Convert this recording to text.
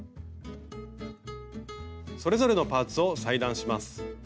それぞれのパーツを裁断します。